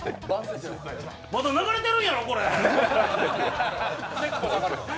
まだ流れてるんやろ、これ。